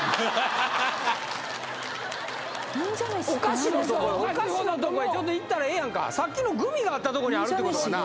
お菓子のとこへちょっと行ったらええやんかさっきのグミがあったとこにあるってことかな？